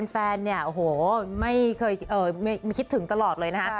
แฟนเนี่ยโอ้โหไม่เคยคิดถึงตลอดเลยนะคะ